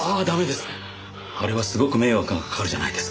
あれはすごく迷惑がかかるじゃないですか。